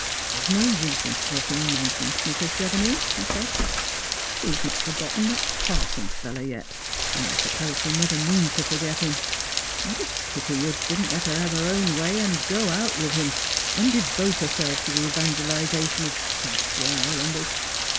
"There's no use in talking nonsense, Mi s. Chevenix," he said ;" she has not forgetten that parson fellow yet, ^nd I suppose Bhe never means to forget him. What a pity you didn't let her have her own way and go out with him, and devote herself to the evangelisation of South Sea Islanders!